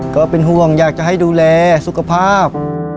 ก็เป็นห่วงอยากจะให้ดูแลสุขภาพ